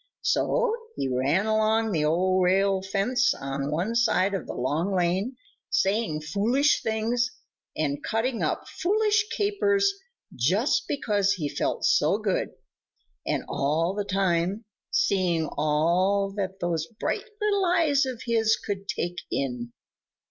So he ran along the old rail fence on one side of the Long Lane, saying foolish things and cutting up foolish capers just because he felt so good, and all the time seeing all that those bright little eyes of his could take in.